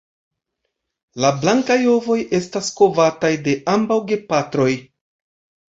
La blankaj ovoj estas kovataj de ambaŭ gepatroj.